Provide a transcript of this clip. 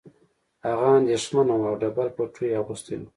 هغه اندېښمنه وه او ډبل پټو یې اغوستی و